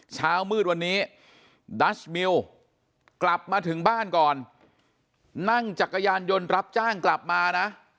เช้ามืดวันนี้ดัชมิวกลับมาถึงบ้านก่อนนั่งจักรยานยนต์รับจ้างกลับมานะ